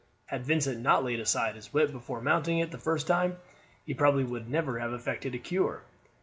Had Vincent not laid aside his whip before mounting it for the first time, he probably would never have effected a cure.